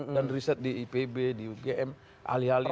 dan riset di ipb di ugm ahli ahli